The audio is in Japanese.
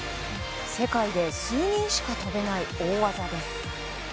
世界で数人しか跳べない大技です。